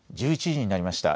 １１時になりました。